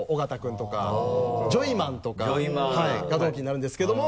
あとジョイマンとかが同期になるんですけども。